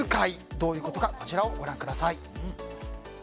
どういうことか、ご覧ください。